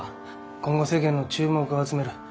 今後世間の注目を集める。